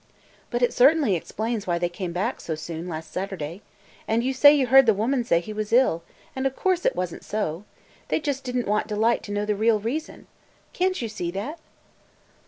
"But it certainly explains why they came back so soon last Saturday. And you say you heard the woman say he was ill, and of course it was n't so. They just did n't want Delight to know the real reason. Can't you see that?"